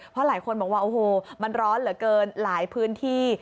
เพราะหลายคนบอกว่าโอ้โหมันร้อนเหลือเกินหลายพื้นที่